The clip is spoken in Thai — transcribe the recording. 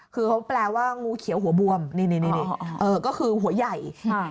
คือเขาแปลว่างูเขียวหัวบวมนี่นี่ก็คือหัวใหญ่